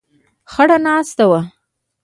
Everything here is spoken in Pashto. خړه ناسته وه.